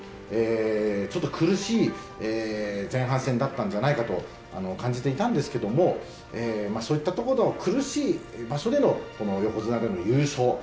ちょっと苦しい前半戦だったんじゃないかと感じていたんですけどもそういったところの苦しい場所での横綱での優勝